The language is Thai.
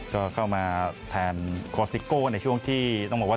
ก็เข้ามาแทนคอซิโก้ในช่วงที่ต้องบอกว่า